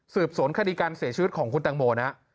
สืบสวนคดีการเสียชีวิตของคุณตังโมนะ